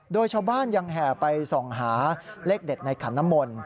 โดยชาวบ้านยังแห่ไปส่องหาเลขเด็ดในขันน้ำมนต์